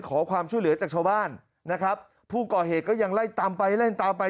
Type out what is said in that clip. ขอความช่วยเหลือจากชาวบ้านนะครับผู้ก่อเหตุก็ยังไล่ตามไปไล่ตามไป